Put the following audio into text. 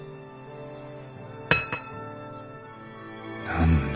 何だ？